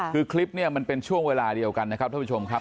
คือคลิปเนี่ยมันเป็นช่วงเวลาเดียวกันนะครับท่านผู้ชมครับ